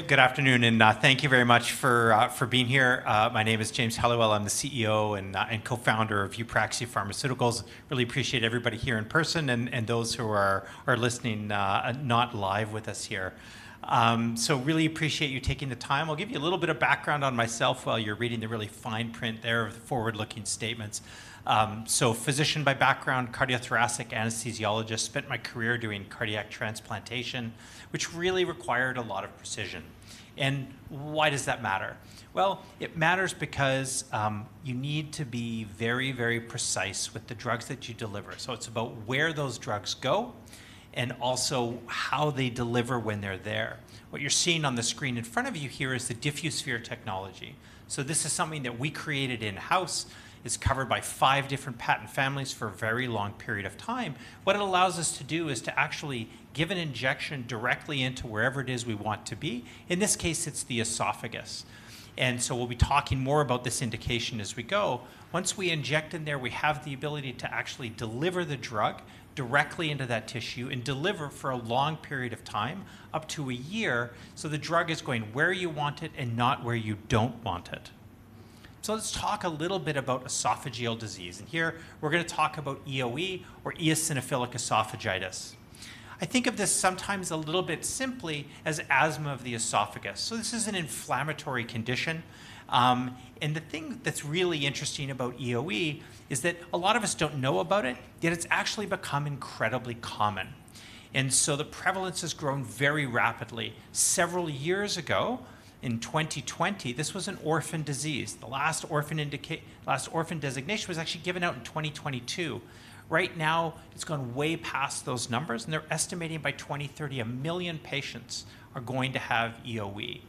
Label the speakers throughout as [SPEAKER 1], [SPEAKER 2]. [SPEAKER 1] Good afternoon, and thank you very much for being here. My name is James Helliwell. I'm the CEO and Co-Founder of Eupraxia Pharmaceuticals. Really appreciate everybody here in person and those who are listening, not live with us here. Really appreciate you taking the time. I'll give you a little bit of background on myself while you're reading the really fine print there with forward-looking statements. Physician by background, cardiothoracic anesthesiologist, spent my career doing cardiac transplantation, which really required a lot of precision. Why does that matter? Well, it matters because you need to be very, very precise with the drugs that you deliver. It's about where those drugs go and also how they deliver when they're there. What you're seeing on the screen in front of you here is the DiffuSphere technology. This is something that we created in-house. It's covered by five different patent families for a very long period of time. What it allows us to do is to actually give an injection directly into wherever it is we want to be. In this case, it's the esophagus. We'll be talking more about this indication as we go. Once we inject in there, we have the ability to actually deliver the drug directly into that tissue and deliver for a long period of time, up to a year. The drug is going where you want it and not where you don't want it. Let's talk a little bit about esophageal disease, and here we're going to talk about EoE, or eosinophilic esophagitis. I think of this sometimes a little bit simply as asthma of the esophagus. This is an inflammatory condition. The thing that's really interesting about EoE is that a lot of us don't know about it, yet it's actually become incredibly common. The prevalence has grown very rapidly. Several years ago, in 2020, this was an orphan disease. The last orphan designation was actually given out in 2022. Right now, it's gone way past those numbers, and they're estimating by 2030, 1 million patients are going to have EoE.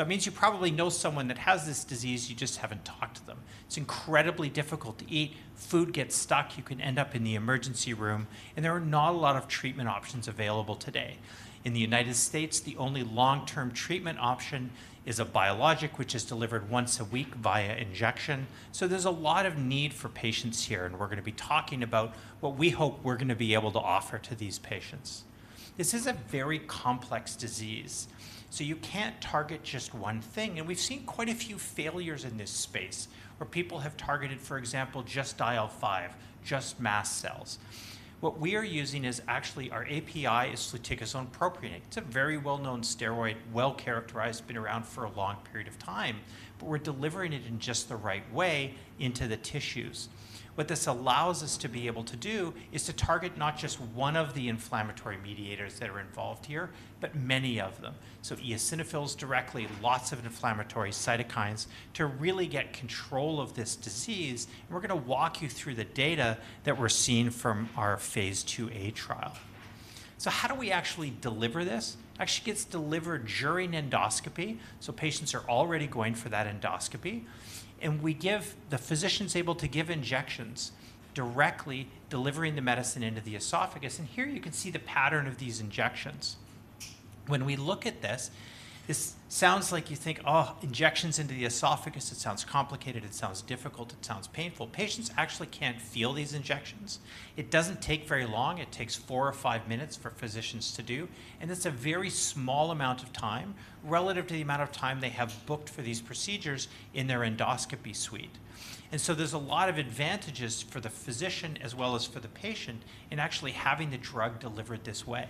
[SPEAKER 1] It means you probably know someone that has this disease, you just haven't talked to them. It's incredibly difficult to eat. Food gets stuck. You can end up in the emergency room, and there are not a lot of treatment options available today. In the U.S., the only long-term treatment option is a biologic, which is delivered once a week via injection. There's a lot of need for patients here, and we're going to be talking about what we hope we're going to be able to offer to these patients. This is a very complex disease, so you can't target just one thing. We've seen quite a few failures in this space where people have targeted, for example, just IL-5, just mast cells. What we are using is actually our API is fluticasone propionate. It's a very well-known steroid, well characterized, been around for a long period of time, but we're delivering it in just the right way into the tissues. What this allows us to be able to do is to target not just one of the inflammatory mediators that are involved here, but many of them, eosinophils directly, lots of inflammatory cytokines, to really get control of this disease. We're going to walk you through the data that we're seeing from our phase IIa trial. How do we actually deliver this? Actually, it gets delivered during endoscopy, patients are already going for that endoscopy. The physician's able to give injections directly delivering the medicine into the esophagus, and here you can see the pattern of these injections. When we look at this sounds like you think, oh, injections into the esophagus. It sounds complicated. It sounds difficult. It sounds painful. Patients actually can't feel these injections. It doesn't take very long. It takes four or five minutes for physicians to do, and it's a very small amount of time relative to the amount of time they have booked for these procedures in their endoscopy suite. There's a lot of advantages for the physician as well as for the patient in actually having the drug delivered this way.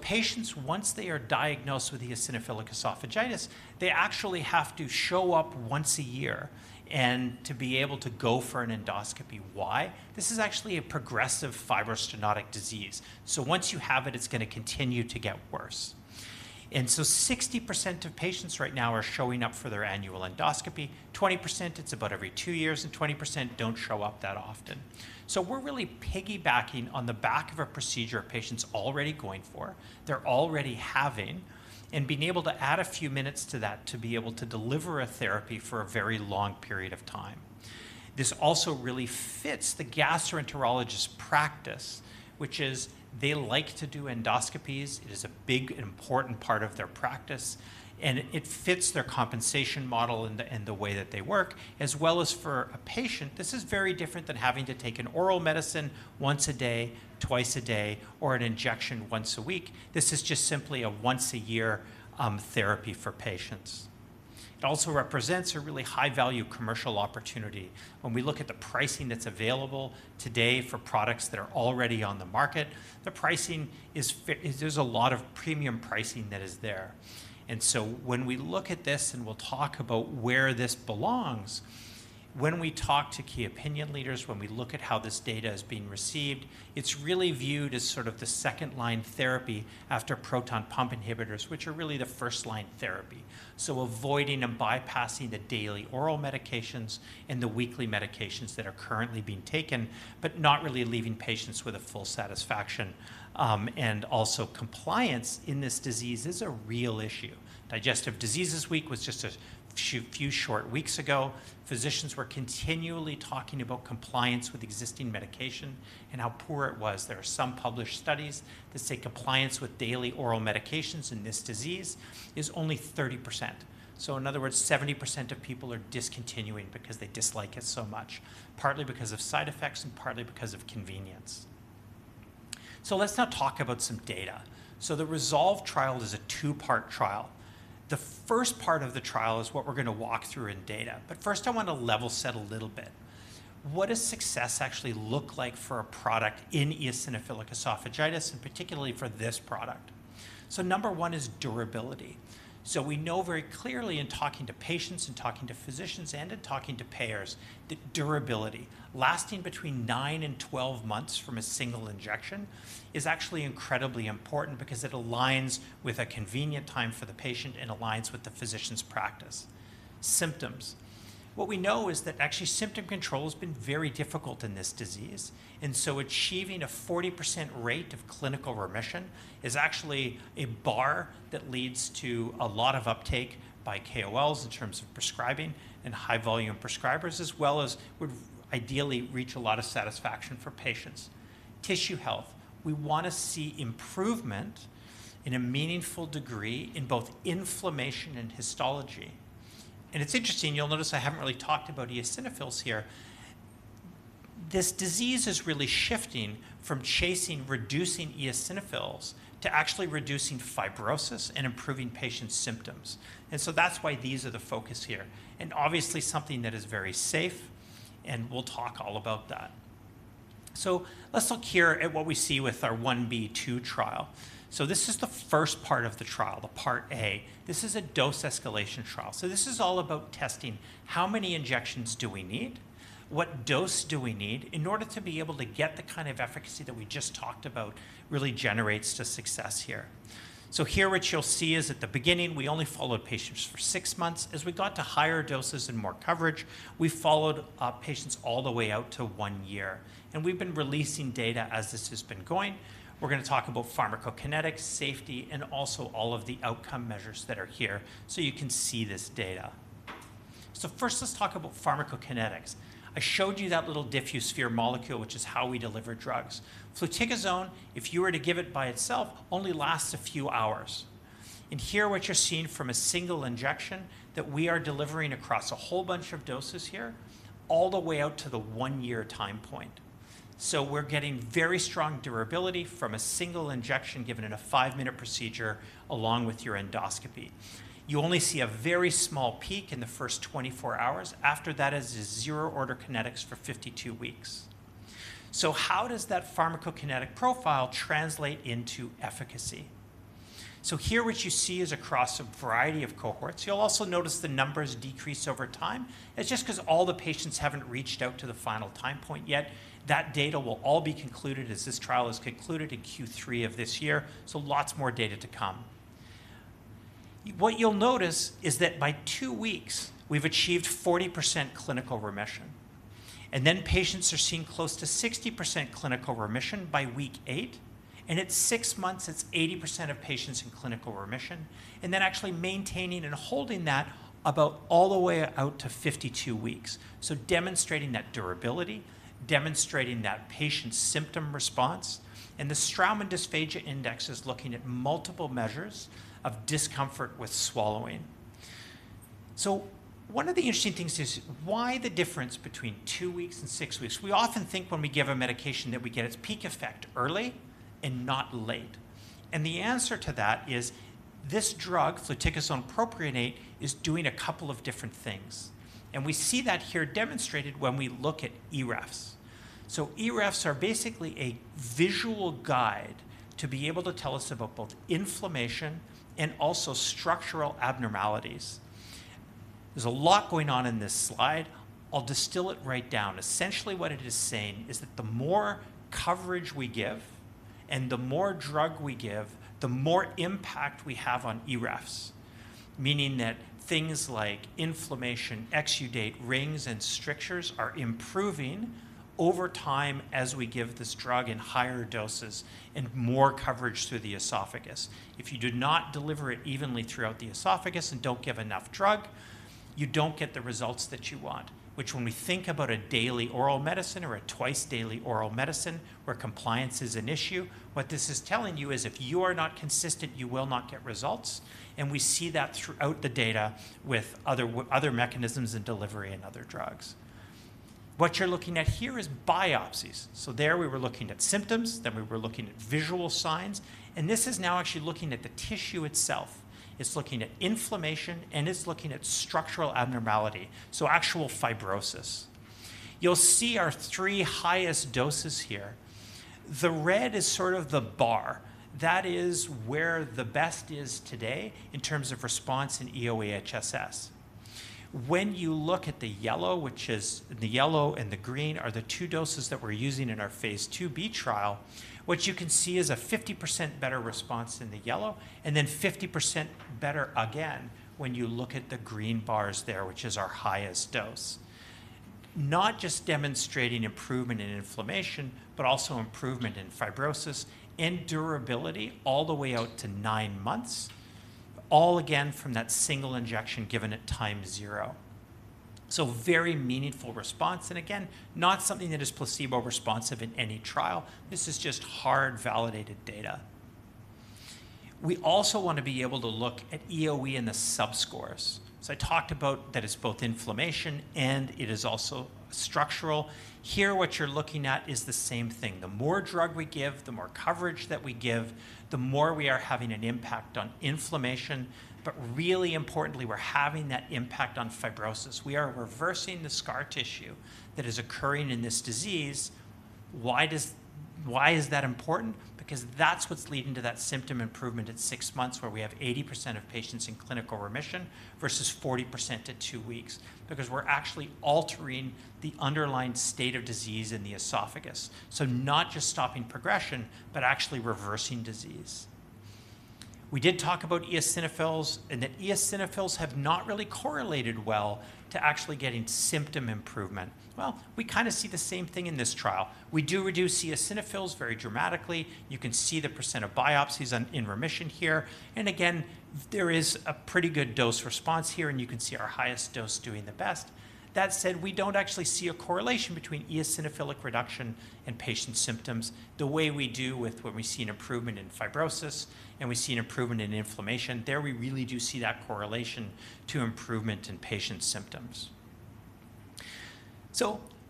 [SPEAKER 1] Patients, once they are diagnosed with eosinophilic esophagitis, they actually have to show up once a year and to be able to go for an endoscopy. Why? This is actually a progressive fibrostenotic disease. Once you have it's going to continue to get worse. 60% of patients right now are showing up for their annual endoscopy, 20%, it's about every two years, and 20% don't show up that often. We're really piggybacking on the back of a procedure a patient's already going for, they're already having, and being able to add a few minutes to that to be able to deliver a therapy for a very long period of time. This also really fits the gastroenterologist's practice, which is they like to do endoscopies. It is a big, important part of their practice, and it fits their compensation model and the way that they work as well as for a patient. This is very different than having to take an oral medicine once a day, twice a day, or an injection once a week. This is just simply a once a year therapy for patients. It also represents a really high-value commercial opportunity. When we look at the pricing that's available today for products that are already on the market, there's a lot of premium pricing that is there. When we look at this, and we'll talk about where this belongs, when we talk to Key Opinion Leaders, when we look at how this data is being received, it's really viewed as sort of the second-line therapy after proton pump inhibitors, which are really the first-line therapy. Avoiding and bypassing the daily oral medications and the weekly medications that are currently being taken, but not really leaving patients with a full satisfaction. Also compliance in this disease is a real issue. Digestive Disease Week was just a few short weeks ago. Physicians were continually talking about compliance with existing medication and how poor it was. There are some published studies that say compliance with daily oral medications in this disease is only 30%. In other words, 70% of people are discontinuing because they dislike it so much, partly because of side effects and partly because of convenience. Let's now talk about some data. The RESOLVE trial is a two-part trial. The first part of the trial is what we're going to walk through in data, first I want to level set a little bit. What does success actually look like for a product in eosinophilic esophagitis, and particularly for this product? Number one is durability. We know very clearly in talking to patients, and talking to physicians, and in talking to payers, that durability, lasting between nine and 12 months from a single injection, is actually incredibly important because it aligns with a convenient time for the patient and aligns with the physician's practice. Symptoms. What we know is that actually symptom control has been very difficult in this disease, achieving a 40% rate of clinical remission is actually a bar that leads to a lot of uptake by KOLs in terms of prescribing and high volume prescribers, as well as would ideally reach a lot of satisfaction for patients. Tissue health. We want to see improvement in a meaningful degree in both inflammation and histology. It's interesting, you'll notice I haven't really talked about eosinophils here. This disease is really shifting from chasing reducing eosinophils to actually reducing fibrosis and improving patients' symptoms. That's why these are the focus here. Obviously something that is very safe, and we'll talk all about that. Let's look here at what we see with our phase Ib/II trial. This is the first part of the trial, the part A. This is a dose escalation trial. This is all about testing how many injections do we need, what dose do we need in order to be able to get the kind of efficacy that we just talked about really generates to success here. Here what you'll see is at the beginning, we only followed patients for six months. As we got to higher doses and more coverage, we followed up patients all the way out to one year. We've been releasing data as this has been going. We're going to talk about pharmacokinetics, safety, and also all of the outcome measures that are here, so you can see this data. First, let's talk about pharmacokinetics. I showed you that little DiffuSphere molecule, which is how we deliver drugs. Futicasone, if you were to give it by itself, only lasts a few hours. Here what you're seeing from a single injection that we are delivering across a whole bunch of doses here, all the way out to the one-year time point. We're getting very strong durability from a single injection given in a five-minute procedure along with your endoscopy. You only see a very small peak in the first 24 hours. After that, it is zero-order kinetics for 52 weeks. How does that pharmacokinetic profile translate into efficacy? Here what you see is across a variety of cohorts. You'll also notice the numbers decrease over time. That's just because all the patients haven't reached out to the final time point yet. That data will all be concluded as this trial is concluded in Q3 of this year. Lots more data to come. What you'll notice is that by two weeks, we've achieved 40% clinical remission. Patients are seeing close to 60% clinical remission by week eight, and at six months, it's 80% of patients in clinical remission. Actually maintaining and holding that about all the way out to 52 weeks. Demonstrating that durability, demonstrating that patient symptom response, and the Straumann Dysphagia Instrument is looking at multiple measures of discomfort with swallowing. One of the interesting things is why the difference between two weeks and six weeks? We often think when we give a medication that we get its peak effect early and not late. The answer to that is this drug, fluticasone propionate, is doing a couple of different things. We see that here demonstrated when we look at EREFS. EREFS are basically a visual guide to be able to tell us about both inflammation and also structural abnormalities. There's a lot going on in this slide. I'll distill it right down. Essentially what it is saying is that the more coverage we give and the more drug we give, the more impact we have on EREFS, meaning that things like inflammation, exudate, rings, and strictures are improving over time as we give this drug in higher doses and more coverage through the esophagus. If you do not deliver it evenly throughout the esophagus and don't give enough drug, you don't get the results that you want, which when we think about a daily oral medicine or a twice-daily oral medicine where compliance is an issue, what this is telling you is if you are not consistent, you will not get results, and we see that throughout the data with other mechanisms of delivery in other drugs. What you're looking at here is biopsies. There we were looking at symptoms, then we were looking at visual signs, and this is now actually looking at the tissue itself. It's looking at inflammation, and it's looking at structural abnormality, so actual fibrosis. You'll see our three highest doses here. The red is sort of the bar. That is where the best is today in terms of response in EoE-HSS. When you look at the yellow, which is the yellow and the green are the two doses that we're using in our phase IIb trial, what you can see is a 50% better response in the yellow. 50% better again when you look at the green bars there, which is our highest dose. Not just demonstrating improvement in inflammation, but also improvement in fibrosis and durability all the way out to nine months, all again from that single injection given at time zero. Very meaningful response, and again, not something that is placebo responsive in any trial. This is just hard, validated data. We also want to be able to look at EoE and the subscores. I talked about that it's both inflammation and it is also structural. Here, what you're looking at is the same thing. The more drug we give, the more coverage that we give, the more we are having an impact on inflammation, but really importantly, we're having that impact on fibrosis. We are reversing the scar tissue that is occurring in this disease. Why is that important? Because that's what's leading to that symptom improvement at six months, where we have 80% of patients in clinical remission versus 40% at two weeks. Because we're actually altering the underlying state of disease in the esophagus, not just stopping progression, but actually reversing disease. We did talk about eosinophils, and that eosinophils have not really correlated well to actually getting symptom improvement. Well, we kind of see the same thing in this trial. We do reduce eosinophils very dramatically. You can see the percent of biopsies in remission here. Again, there is a pretty good dose response here, and you can see our highest dose doing the best. That said, we don't actually see a correlation between eosinophilic reduction and patient symptoms the way we do with when we see an improvement in fibrosis and we see an improvement in inflammation. There, we really do see that correlation to improvement in patient symptoms.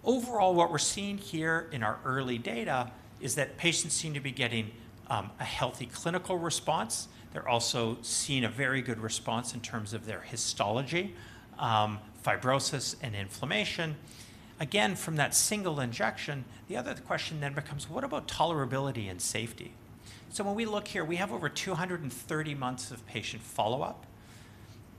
[SPEAKER 1] Overall, what we're seeing here in our early data is that patients seem to be getting a healthy clinical response. They're also seeing a very good response in terms of their histology, fibrosis, and inflammation. Again, from that single injection, the other question then becomes, what about tolerability and safety? When we look here, we have over 230 months of patient follow-up.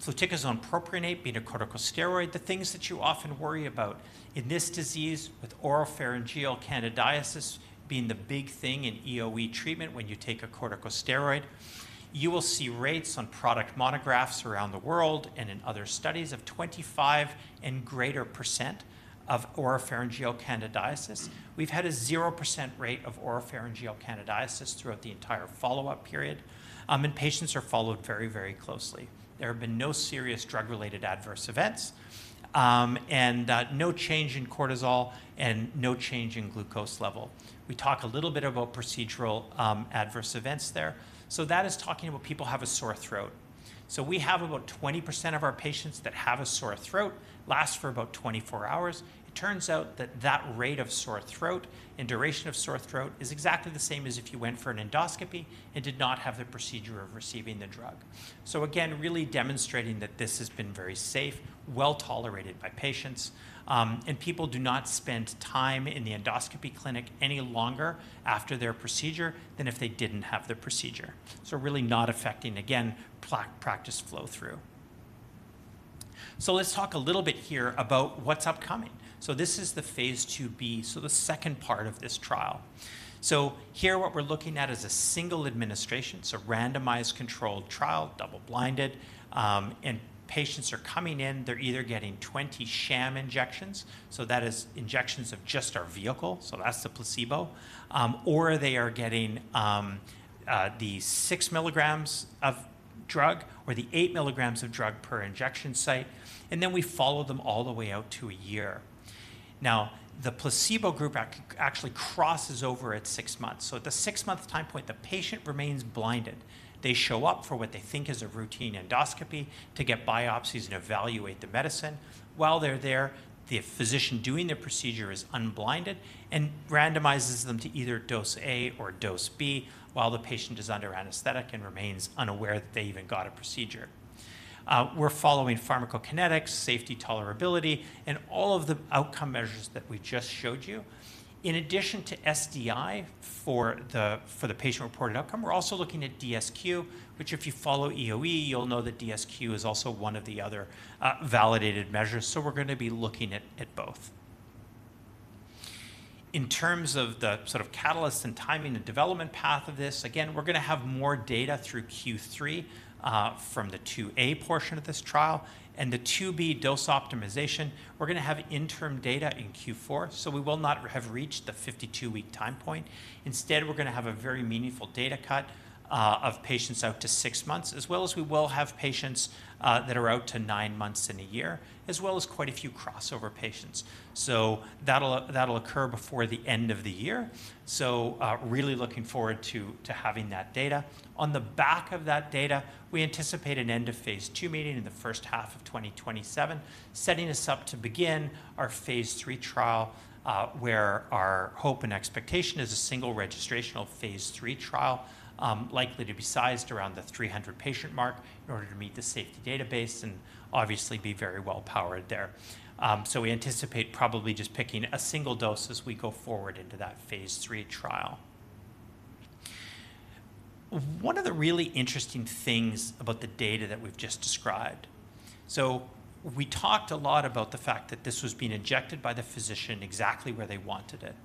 [SPEAKER 1] fluticasone propionate being a corticosteroid, the things that you often worry about in this disease, with oropharyngeal candidiasis being the big thing in EoE treatment when you take a corticosteroid. You will see rates on product monographs around the world and in other studies of 25 and greater percent of oropharyngeal candidiasis. We've had a 0% rate of oropharyngeal candidiasis throughout the entire follow-up period, and patients are followed very closely. There have been no serious drug-related adverse events, and no change in cortisol and no change in glucose level. We talk a little bit about procedural adverse events there. That is talking about people have a sore throat. We have about 20% of our patients that have a sore throat, lasts for about 24 hours. It turns out that that rate of sore throat and duration of sore throat is exactly the same as if you went for an endoscopy and did not have the procedure of receiving the drug. Again, really demonstrating that this has been very safe, well-tolerated by patients, and people do not spend time in the endoscopy clinic any longer after their procedure than if they didn't have the procedure. Really not affecting, again, practice flow-through. Let's talk a little bit here about what's upcoming. This is the phase IIb, the second part of this trial. Here, what we're looking at is a single administration, randomized controlled trial, double-blinded, and patients are coming in. They're either getting 20 sham injections, so that is injections of just our vehicle, so that's the placebo, or they are getting the 6 mg of drug or the 8 mg of drug per injection site. We follow them all the way out to a year. The placebo group actually crosses over at six months. At the six-month time point, the patient remains blinded. They show up for what they think is a routine endoscopy to get biopsies and evaluate the medicine. While they're there, the physician doing the procedure is unblinded and randomizes them to either Dose A or Dose B while the patient is under anesthetic and remains unaware that they even got a procedure. We're following pharmacokinetics, safety tolerability, and all of the outcome measures that we just showed you. In addition to SDI for the patient-reported outcome, we're also looking at DSQ, which if you follow EoE, you'll know that DSQ is also one of the other validated measures, so we're going to be looking at both. In terms of the sort of catalyst and timing, the development path of this, again, we're going to have more data through Q3 from the IIa portion of this trial and the IIb dose optimization. We're going to have interim data in Q4, so we will not have reached the 52-week time point. Instead, we're going to have a very meaningful data cut of patients out to six months, as well as we will have patients that are out to nine months in a year, as well as quite a few crossover patients. That'll occur before the end of the year, really looking forward to having that data. On the back of that data, we anticipate an end of phase II meeting in the first half of 2027, setting us up to begin our phase III trial, where our hope and expectation is a single registrational phase III trial, likely to be sized around the 300-patient mark in order to meet the safety database and obviously be very well powered there. We anticipate probably just picking a single dose as we go forward into that phase III trial. One of the really interesting things about the data that we've just described, we talked a lot about the fact that this was being injected by the physician exactly where they wanted it,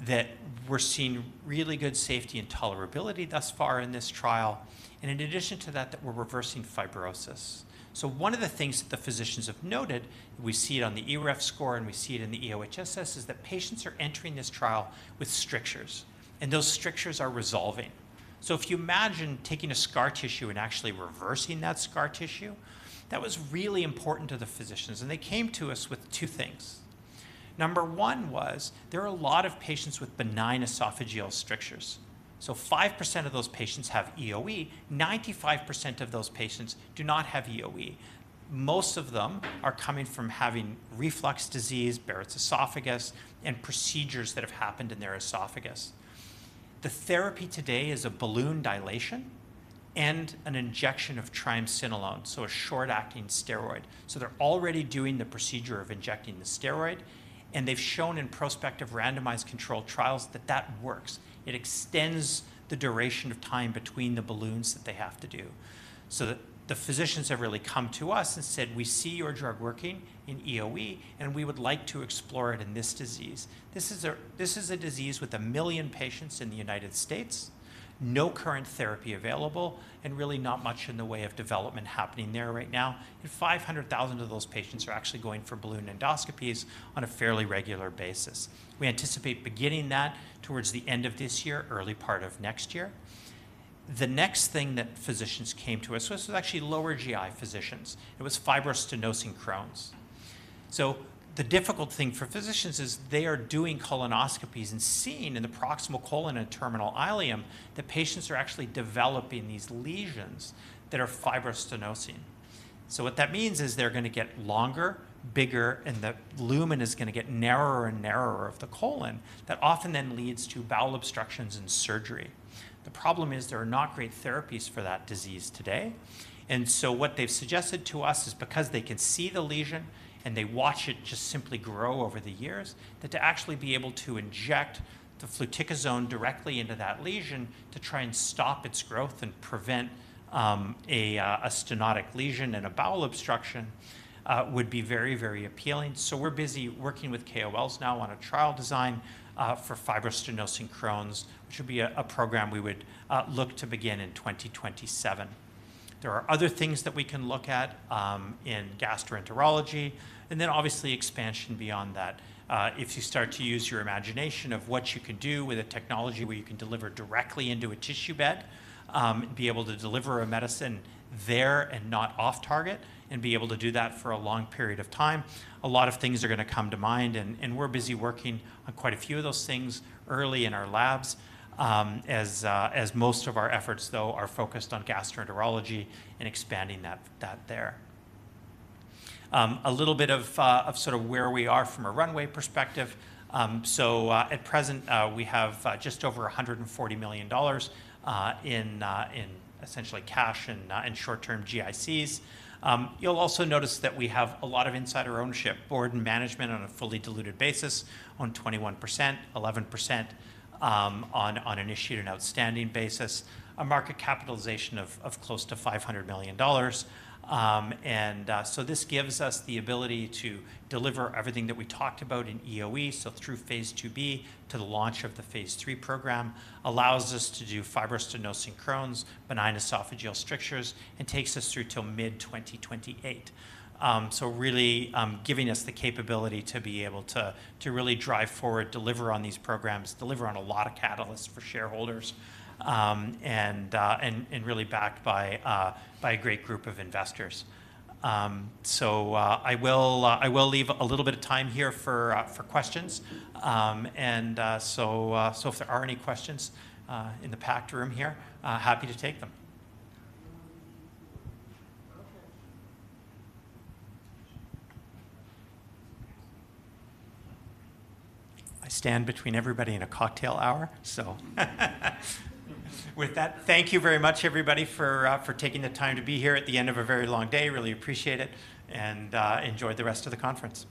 [SPEAKER 1] that we're seeing really good safety and tolerability thus far in this trial, and in addition to that we're reversing fibrosis. One of the things that the physicians have noted, we see it on the EREFS score and we see it in the EoE-HSS, is that patients are entering this trial with strictures, and those strictures are resolving. If you imagine taking a scar tissue and actually reversing that scar tissue, that was really important to the physicians, and they came to us with two things. Number one was there are a lot of patients with benign esophageal strictures. 5% of those patients have EoE. 95% of those patients do not have EoE. Most of them are coming from having reflux disease, Barrett's esophagus, and procedures that have happened in their esophagus. The therapy today is a balloon dilation and an injection of triamcinolone, so a short-acting steroid. They're already doing the procedure of injecting the steroid, and they've shown in prospective randomized control trials that that works. It extends the duration of time between the balloons that they have to do. The physicians have really come to us and said, "We see your drug working in EoE, and we would like to explore it in this disease." This is a disease with 1 million patients in the U.S., no current therapy available, and really not much in the way of development happening there right now, and 500,000 of those patients are actually going for balloon endoscopies on a fairly regular basis. We anticipate beginning that towards the end of this year, early part of next year. The next thing that physicians came to us with was actually lower GI physicians. It was fibrostenosing Crohn's. The difficult thing for physicians is they are doing colonoscopies and seeing in the proximal colon and terminal ileum that patients are actually developing these lesions that are fibrostenosing. What that means is they're going to get longer, bigger, and the lumen is going to get narrower and narrower of the colon. That often then leads to bowel obstructions and surgery. The problem is there are not great therapies for that disease today. What they've suggested to us is because they can see the lesion and they watch it just simply grow over the years, that to actually be able to inject the fluticasone directly into that lesion to try and stop its growth and prevent a stenotic lesion and a bowel obstruction would be very appealing. We're busy working with KOLs now on a trial design for fibrostenosing Crohn's, which would be a program we would look to begin in 2027. There are other things that we can look at in gastroenterology, and then obviously expansion beyond that. If you start to use your imagination of what you can do with a technology where you can deliver directly into a tissue bed, be able to deliver a medicine there and not off target, and be able to do that for a long period of time, a lot of things are going to come to mind. We're busy working on quite a few of those things early in our labs, as most of our efforts, though, are focused on gastroenterology and expanding that there. A little bit of where we are from a runway perspective. At present, we have just over 140 million dollars in essentially cash and short-term GICs. You'll also notice that we have a lot of insider ownership, board and management on a fully diluted basis on 21%, 11% on an issued and outstanding basis, a market capitalization of close to 500 million dollars. This gives us the ability to deliver everything that we talked about in EoE, so through phase IIb to the launch of the phase III program, allows us to do fibrostenosing Crohn's, benign esophageal strictures, and takes us through till mid-2028. Really giving us the capability to be able to really drive forward, deliver on these programs, deliver on a lot of catalysts for shareholders, and really backed by a great group of investors. I will leave a little bit of time here for questions. If there are any questions in the packed room here, happy to take them. I stand between everybody and a cocktail hour, so with that, thank you very much, everybody, for taking the time to be here at the end of a very long day. Really appreciate it, and enjoy the rest of the conference.